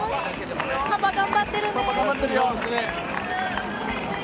パパ頑張ってるね。